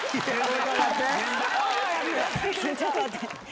ちょっと待って。